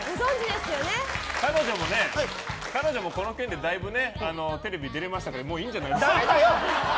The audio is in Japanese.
彼女もこの件でだいぶテレビに出られましたのでもういいんじゃないですか。